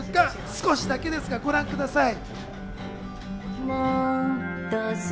少しですが、ご覧ください。